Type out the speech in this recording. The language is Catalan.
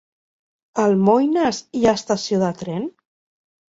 A Almoines hi ha estació de tren?